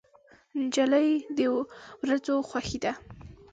نجلۍ د ورځو خوښي ده.